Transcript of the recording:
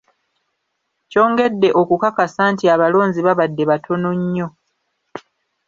Kyongedde okukakasa nti abalonzi babadde batono nnyo.